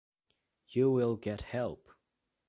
You will get help.